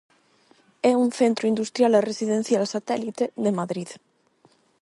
É un centro industrial e residencial satélite de Madrid.